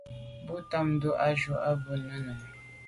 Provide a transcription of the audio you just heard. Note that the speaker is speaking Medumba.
Bo tamtô à jù à b’a nunenùne.